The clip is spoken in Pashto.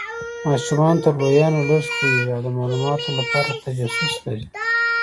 ماشومان تر لویانو لږ پوهیږي او د مالوماتو لپاره تجسس لري.